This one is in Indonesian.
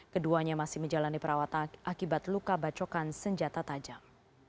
keduanya masih menjalani perawatan akibat luka bacokan senjata tajam